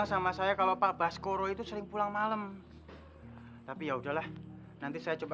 gak apa apa kok kalau kamu mau pake boleh aja